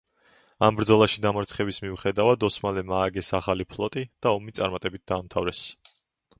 ამ ბრძოლაში დამარცხების მიუხედავად ოსმალებმა ააგეს ახალი ფლოტი და ომი წარმატებით დაამთავრეს.